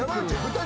２人